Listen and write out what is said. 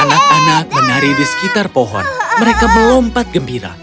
anak anak menari di sekitar pohon mereka melompat gembira